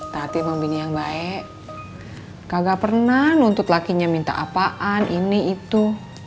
tapi membina yang baik kagak pernah nuntut lakinya minta apaan ini itu